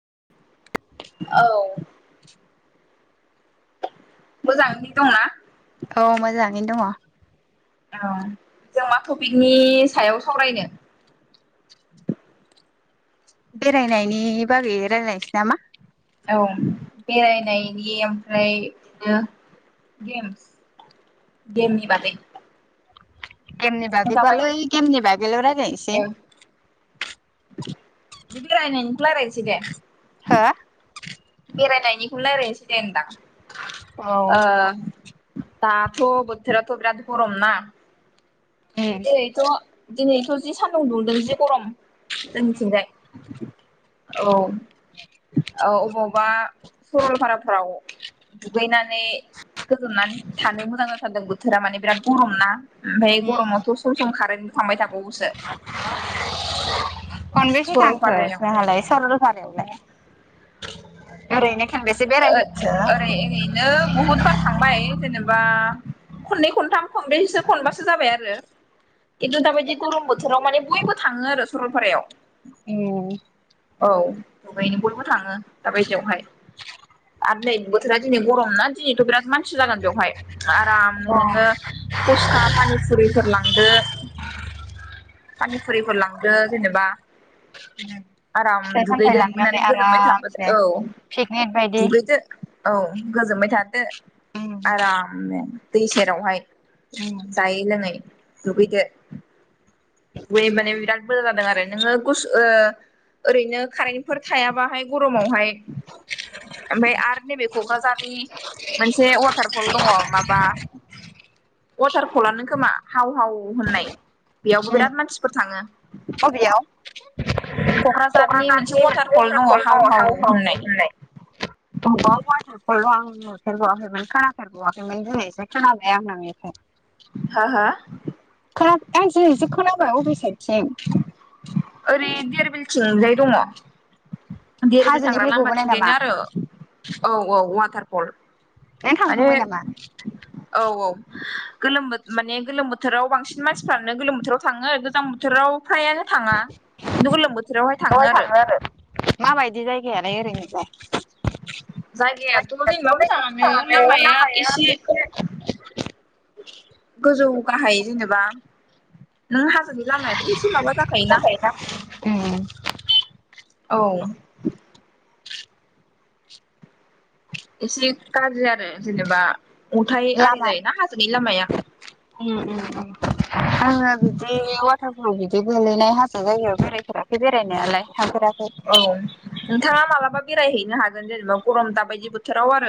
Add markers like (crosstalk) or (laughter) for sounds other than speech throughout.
औ मोजाङैनो दंना औ मोजाङैनो दङ औ जों मा टपिकनि सायाव सावरायनो बेरायनायनि बागै रायज्लायनोसै नामा औ बेरायनायनि ओमफ्राय बिदिनो गेमस गेम नि बागै गेमनि बागै बालाय गेमनि बागैल' रायलायनोसै औ बिदि बेरायनायनिखौ रायलायनोसै दे हो बेरायनायनिखौनो रायलायनो सै दे होनबा ओ- दाथ' बोथोराथ' बिराद गरम ना ए दिनैथ' दिनैथ' जि सान्दुं दुंदों जि गरम जोंनिथिंजाय औ औ अबाव मबा सरलपाराफ्राव दुगैनानै गोजोननानै थानो मोजां जाथारदों बोथोरा माने बिराद गरम ना ओमफ्राय गरमाव सम खारेन्टबो थांबाय थाबावोसो खनबेसे थांखो सरलपारायाव नोहालाय सरलफारायावलाय ओ-ओरै ओरैनो बहुतबार थांबाय जेनेबा बा खननै खनथाम खनब्रै खनबासो जाबाय आरो एथु दाबायदि गरम बोथोराव माने बयबो थाङो आरो सरलपारायाव ए। औ दुगैनो बयबो थाङो दाबायदियावहाय आरो नै बोथोरा दिनै गरम ना दिनैथ' बिराद मानसि जागोन बेवहाय आरामनो बा नोङो फुसखा पानिफुरिफोर लांदो पानिफुरिफोर लांदो जेनेबा फिथाइ आराम सामथाइ दुगैदो लांनानै दुगैनानै गोजोमबाय थाबोदो आरामसे औ पिकनिक बायदि दुगैदो औ गोजोनबाय थादो आरामनो दै सेरावहाय जायै लोङै दुगैदो बे माने बिराद मोजां जादों आरो नोङो गुसु ओ ओरैनो कारेन्टफोर थायाबाहाय गरमावहाय ओमफाय आरो नैबे क'क्राझारनि मोनसे वाटारफल दङो माबा वाटारफलानो खोमा हाव हाव होननाय बेयावबो बिराद मानसिफोर थाङो अबियाव (unintelligible) कक्राझारनि मोनसे वाटारफल दङ हाव हाव होननाय (unintelligible) नुफेरबावाखैमोन खोनाफेरबावयाखै मोन दोनैसो खोनाबाय आं नोंनिफ्राय हो हो खोना आं दिनिसो खोनाबाय अबे साइडथिं ओरै देरबिलथिंजाय दङ देरबिल थांग्रा हाजोनिफ्राय गबोनाय नामा लामाथिंजायनो आरो औ औ वाटारफल नों माने थांखांबाय नामा? औ औ गोलोमो माने गोलोम बोथोराव बांसिन मानसिफ्रानो गोलोम बोथोराव थाङो गोजां बोथोराव फ्रायानो थाङा खिन्थु गोलोम बोथोरावहाय थाङो दहाय आरो लायो जायगायाथ' जेनेबा मोजाङानो (unintelligible) लामाया एसे (unintelligible) गोजौ गाहाय जेनेबा नों हाजोनि लामायाथ' एसे माबा जाखायोना उम औ एसे गाज्रि आरो जेनेबा अन्थाय आरि लामा जायोना हाजोनि लामाया उम उम उम आङो बिदि वाटारफ्राव बिदि गोलैनाय हाजो जायगायाव बेरायफेराखै बेरायनायालाय थांफेराखै। औ नोंथाङा मालाबा बेरायहैनो हागोन जेनेबा गरम दाबायदि बोथोराव आरो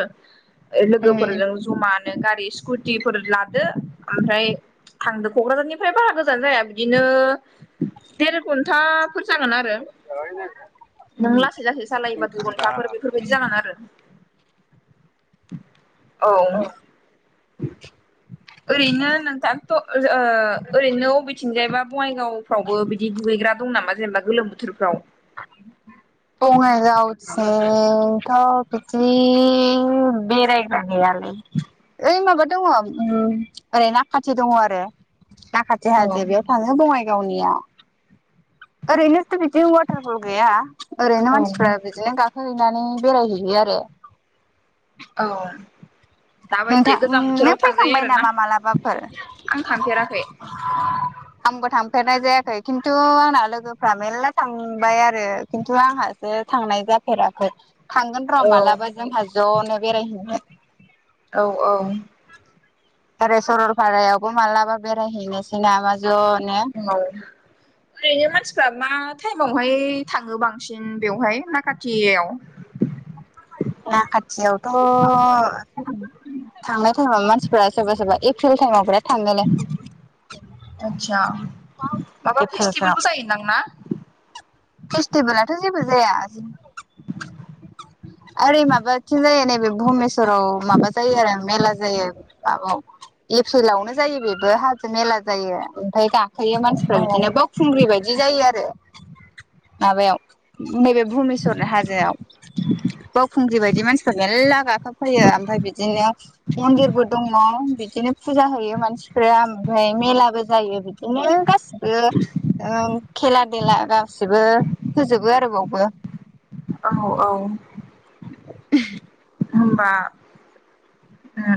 उम लोगोफोरजों जमानो गारि स्कुटिफोर लादो ओमफ्राय थांदो क'क्राझारनिफ्राय बारा गोजान जाया बिदिनो देर घन्टा फोर जागोन आरो नों उम लासै लासै सालायोबा दुइ घन्टाफोर बेफोरबायदि जालाङो आरो औ ओरैनो नोंथां थ' ओ ओरैनो अबेथिंजायबा बङाइगावफ्रावबो बिदि दुगैग्रा दं नामा जेनेबा गोलोम बोथोरफ्राव बंगायगावथिंथ' बिदि बेरायगा गैया ओइ माबा दङ ओरै नाखाथि दङ आरो नाखाथि औ हाजो बेयाव थाङो बङाइगावनियाव ओरैनो ' बिदिनो वाटारफुल गैया ओरैनो औ मानसिफ्रा बिदिनो गा फैनानै बेरायहैयो आरो औ दाबायदि नोंथां गोजां नों बोथोराव थांजायो फैखांबाय आरोना नामा मालाबाफोर आं थांफेराखै (inaudible) आंबो थांफेरनाय जायाखै खिन्थु आंना लोगोफ्रा मेर्ला थांबाय आरो खिन्थु आंहा सो थांनाय जाफेराखै थांगोन र' औ मालाबा जोंहा ज'नो बेरायहैनो औ औ ओरै सरलपारायावबो मालाबा बेरायहैनोसै नामा ज'नो औ ओरैनो मानसिफ्रा मा टाइमावहाय थाङो बांसिन बेवहाय नाखाथियाव (inaudible) ना खाथियावथ' थांनाय टाइमाव मानसिफोरा सोरबा सोरबा एप्रिल टाइमाव बेरात आतसा माबा एप्रिलफ्राव फेस्टिभेलबो जायो दां ना फेस्टिभेलाथ' जेबो जाया आजिम ओरै माबाथिं जायो नैबे भुमेस्राव माबा जायो आरो मेला जायो माबायाव एप्रिलावनो जायो बेबो हाजो मेला जायो ओमफाय गा थायो मानसिफ्रा औ बिदिनो बावखुंग्रि बायदि जायो आरो माबायाव नैबे भुुमेस्र हाजोआव बावखुंग्रि बाय बिदि मानसिफोर मेरला गाखोबफैयो ओमफाय बिदिनो मन्दिरबो दङ बिदिनो फुजा होयो मानसिफोरा ओमफ्राय मेलाबो जायो बिदिनो गासिबो ओ खेला-देला गासिबो गोबो होजोबो आरो बावबो । औ औ। (inaudible) होमबा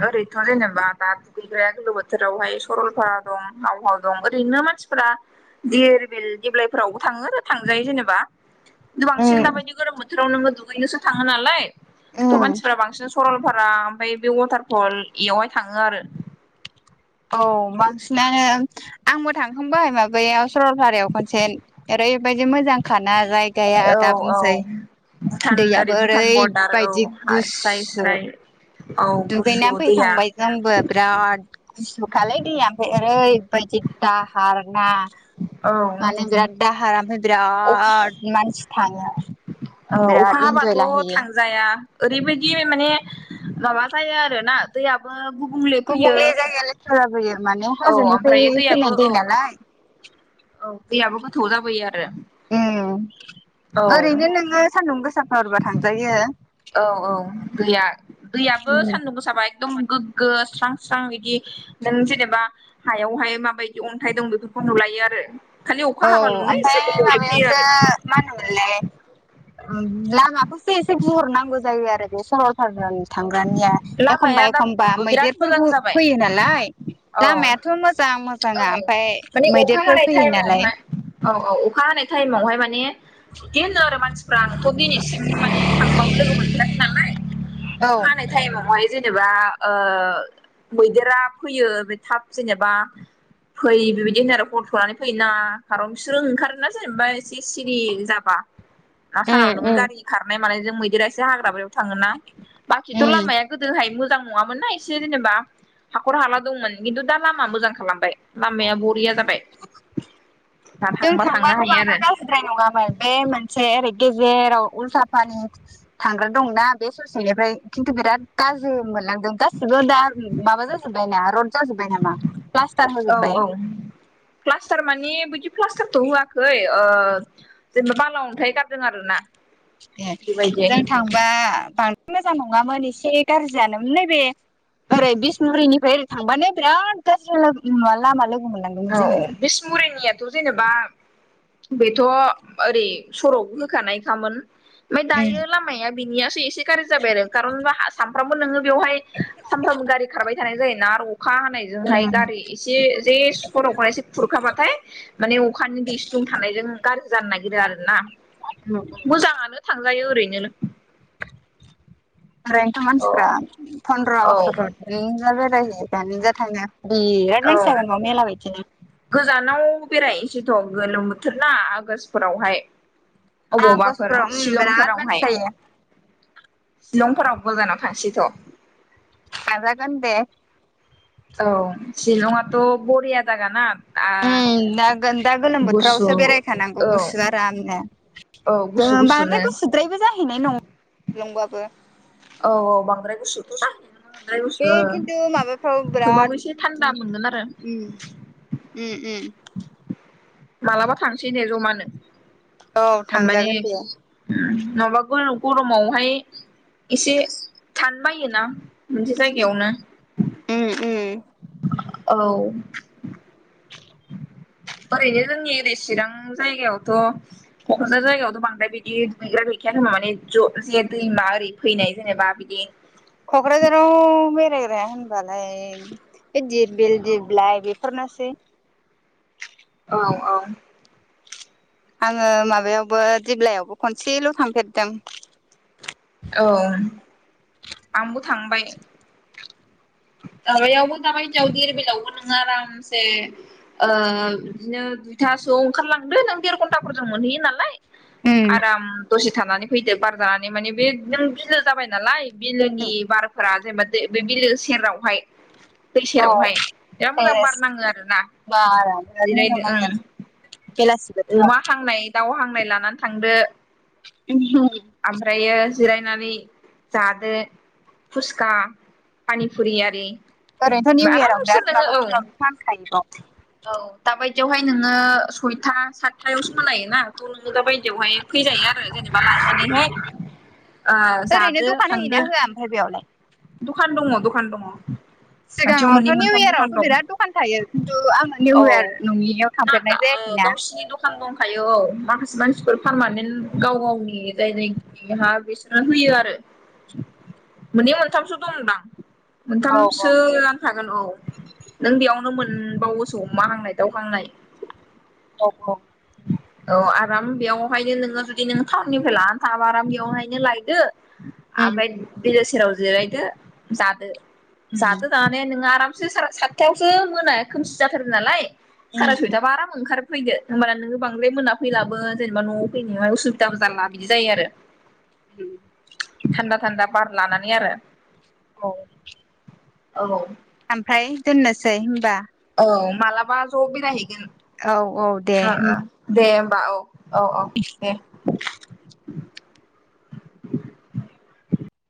ओरैथ' जेनेबा दा दुगैग्राया गोलोम बोथोरावहाय सरलपारा दं, हावहाव दं ओरैनो मान सिफ्रा दिरबिल देब्लायफोरावबो थाङो थांजायो जेनेबा बांसिन उम दाबायदि गोरोम बोथोराव नोङो दुगैनोसो थाङो नालाय थ' उम मानसिफ्रा बांसिन सरलपारा ओमफ्राय बे वाटारफल बेयावहाय थाङो आरो औ बांसिनानो आंबो थांखांबाय माबायाव सरलपारायाव खनसे ओ ओरैबायदि मोजां खा ना जायगाया औ औ दाबुंसै भुटान ओरै दैयाबो ओरैबायदि गुसु जायो। दुगैनानै फैखांबाय जोंबो बिराद गुसथुखालै दैया ओमफ्राय ओरै बायदि दाहार ना माने बिराद दाहार। ओमफ्राय (inaudible) ओ बिराद मानसि थाङो अखा बिराद इन्जय हाबाथ' लाहैयो थांजाया ओरैबायदि माने माबा जायो आरोना दैयाबो गुबुंले जायो लेथ्रा जाबोयो माने औ हाजोनिफ्राय ओमफ्राय दैयाबो फैनाय औ दै नालाय औ दैयाबो गोथौ जाबोयो आरो ए औ ओरैनो नोङो सान्दुं गोसाथारबा थांजायो । औ औ दैया दैयाबो सान्दुं गोसाबा एकदम गोगो स्रां स्रां बिदि नों जेनेबा हायावहाय माबायदि अन्थाइ दं बेफोरखौ नुलायो आरो खालि अखा औ हाबाल'नो एसे ओमफ्राय गुबुंले फैयो माबायावसो, आरो मा होनोमोनलाय? लामाखौसो एसे गिहरनाांगौ जायोग आरो बे सरल फारनि थांग्रानिया एखमबा लामाया दा एखमबा बिराद मैदेर मोजां फोरबो जाबाय फैयो नालाय औ लामायाथ' मोजां औ मोजाङा ओमफाय माने अखा मैदेरफोर हानाय फैयो ना औ । औ अखा हानाय टाइमावहाय माने बिदि होनो आरो मानसिफ्रा आंथ' दिनैसिम माने थांबाबो लोगो मोनफेराखै नालाय औ फैनाय थाइमावहाय जेनेबा बा‌ ओ मैदेरा फैयो थाब जेनेबा फै बिबायदि होनो आरो हर थ'नानै फैयोना खारन बिसोरो ओंखारोना जेनेबा एसे सिरि जाबा । ना सानाव नोङो उम गारि खारनाय मानाय जों मैदेरासो हाग्र बारियाव थाङोन ना बाखिथ' लामाया गोदोहाय मोजां नङामोन ना एसे जेनेबा हाखर हाला दंमोन खिन्थु दा लामा मोजां खालामबाय । लामाया बरिया जाबाय दा जों थांबा थांनो थांबाबो हायो बांद्राय आरो गाज्रिद्राय नङामोन। बे मोनसे ओरै गेजेराव उल्थापानि थांग्रा दंना बे ससेनिफ्राय खिन्थु बिराद गाज्रि मोनलां गासिबो दा माबा जाजोब्बायना र औ औ प्लास्टार माने बिदि प्लासटारथ' होाखै जेनेबा बाला अन्थाय गार ए जों थांबा बां मोजां नङामोन एसे गाज्रि जानोमोन, नैबे‌ ओरै बिसमुरिनिफ्राय ओरै थांबानो बिराद गाज्रि ना लामा लोगो मोनलांदोंमोन औ जोङो। बिसमुरिनियाथ' जेनेबा बेथ' ओरै सर' होखानायखामोन ओमफ्राय दायो लामाया बिनियासो एसे गाज्रि जाबाय आरो कारन सानफ्रामबो नोङो बेवहाय सानफ्रामबो गारि खारबाय थानाय जायोना आरो अ अखा हानायजोंहाय गारि एसे जे (unintelligible) एसे खुरखाबाथाय माने अखानि दै स्लुं थानायजों गाज्रि जानो नागिरो आरो ना मोजाङानो थांजायो ओरैनो। ओरैनोथ' औ मानसिफ्रा फन्द्र' औ आष्टफोराव बेयरायो बेनो जाथायनो औ गोजानाव बेराय जिथ' गोलोम बोथोर ना आगषटफोरावहाय अबावबाफोर आगष्टफ्राव उम बिराद मानसि शिलंफोरावहाय जायो शिलंफोराव गोजानाव थांसैथ'। नाजागोन दे। औ शिलंआथ' बरिया जागाना आ उम नागोन दा गोलोम गुसु बोथोरावसो बेरायखानांगौ औ गुसु आरामनो। औ गुसु गुसुनो बांद्रायखौ सोद्रायबो जाहैनाय नङा नंबाबो औ औ ।बांद्राय गुसुथ' जाखाया बे खिन्थु माबाफ्राव थेवबाबो बिराद एसे थान्दा मोनगोन आरो (unintelligible) उ उम मालाबा थांसै नो जमानो औ माने थांजागोन दे होम नङाबा गल गरमावहाय एसे थान बायोना। मोनसे जायगायावनो उम उम औ। ओरैनो जोंनि ओरै चिरां जायगायावथ' क'क्राझार जायगायावथ' बांद्राय बिदि दुगैग्रा गै खा माने ज' जे दैमा ओरै फैनाय जेनेबा बिदि क'क्राझाराव बेरायग्राया होनबालाय बे दिरबिल औ दिबलाइ बे फोरनासै औ औ आङो माबायावबो दि्ब्लायावबो खनसेल' थांफेरदों औ ओम आंबो थांबाय माबायावबो दाबा हिनजाव दिरबिलावबो नोङो आरामसे ओ बिदिनो दुइथा गासोआव ओंखारलांदो नों देर घनण्टाफोरजों मोनहैयो नालाय। उम आराम दसे थानानै फैदो बार जानानै मानिे बे नों बिलो जाबाय नालाय बिलोनि बारफोरा जेनेबा बे बिलो सेरावहाय दै औ सेरावहाय बिराद मोजां बार पेस नाङो आरोना। बारा बिराद मोजां जिरायदो नांगोन बेलासि ओं अमा बोथोराव हांनाय दाउ हांनाय लानानै थांदो ओमहो ओमफ्रायो जिरायनानै जादो खुसखा पानिफुरि आरि ओरैनोथ' निउ इयाराव आरामसे बिराद नोङो ओ माबाफोर औ माबि फानखायो बाव औ दाबायदियावहाय नोङो बयथा हा हाथायाव सो मोनखायो ना थ' नोङो दा बायदियावहाय फैजायो आरो जेनेबा लायनानैहाय ओ ओरैनो जादो दखान होयोना थांदो । होआ ओमफ्राय बेयावलाय दखान दङ दखान दङ। खाथियाव सिगाङावथ' मोननै निउ मोनथाम दखान इयारावथ' दं बिराद दखान थायो। खिन्थु आङो निउ औ इयार नङियाव ना गा थांफेरनाय जायाखै। गावसिनि दखान दं। थायो औ माखासे मानसिफोर पारमानेन्ट गाव गावनि जायनाखि मा बिसोरनो होयो आरो मोननै मोनथामसो दंदां। औ औ मोनथामसो जान थागोन औ नों बेयाव नो मोनबावोस' अमा हांनाय दाउ हांनाय औ औ। औ आराम बेयावहायनो नोङो जुदि नो टाउननिफ्राय लानानै थाङाबा आराम बेयावहायनो लायदो। उम आमफाय बेलो सेराव जिरायदो जादो उम जादो जाना नै नोङा आराम (unintelligible) सा सातथायावसो मोना खोमसि जाथारो नालाय उम साराय सयथा बा आराम ओखार फैदो होमब्ला नोङो बांद्राय मोना फैलाबो जेनेबा न'आव फैनायावहाय उसुबिदाबो जाला बिदि जायो आरो। उम थान्दा थान्दा बार लानानै आरो । औ। औ । ओमफ्राय दोननोसै होनबा? औ मालाबा ज' बेरायहैगोन औ औ दे र' ओ। दे होमबा औ औ औ दे ।